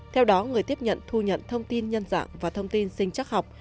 theo đó người tiếp nhận thu nhận thông tin nhân dạng và thông tin sinh chắc học